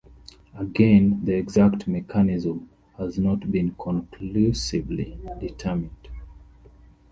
Again, the exact mechanism has not been conclusively determined.